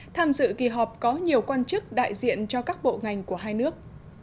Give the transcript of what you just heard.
tham dự kỳ họp có nhiều quan chức đại diện cho các bộ ngành của hai nước